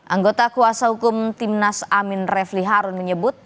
anggota kuasa hukum timnas amin refli harun menyebut